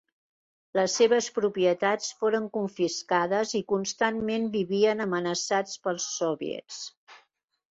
Les seves propietats foren confiscades i constantment vivien amenaçats pels soviets.